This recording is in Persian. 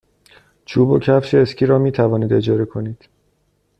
چوب و کفش اسکی را می توانید اجاره کنید.